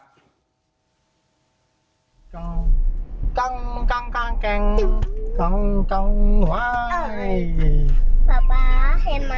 ป๊าป๊าเห็นไหมเห็นซิมป่ะ